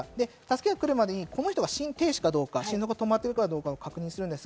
助けが来るまでに、この人が心停止かどうか、心臓が止まっているかどうか確認します。